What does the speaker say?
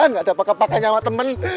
gak ada apa apa kepadanya sama temen